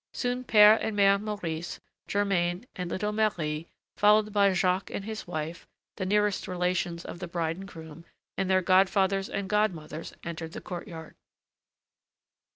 Soon Père and Mère Maurice, Germain, and little Marie, followed by Jacques and his wife, the nearest relations of the bride and groom, and their godfathers and godmothers, entered the court yard.